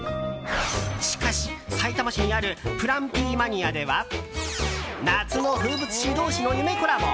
しかし、さいたま市にあるプランピーマニアでは夏の風物詩同士の夢コラボ！